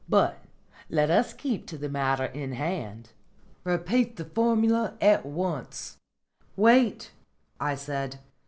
But let us keep to the matter in hand. Repeat the formula at once." "Wait," I said.